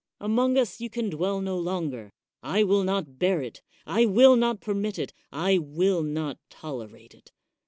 Among us you can dwell no longer — I will not bear it, I will not permit it, I will not tolerate it.